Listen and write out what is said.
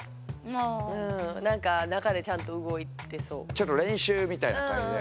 ちょっと練習みたいな感じで。